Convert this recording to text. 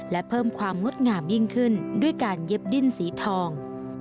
และเพิ่มความงดงามยิ่งขึ้นด้วยการเย็บดิ้นสีทอง